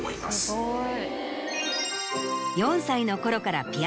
すごい！